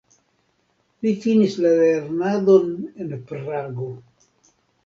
Li finis la lernadon en Prago.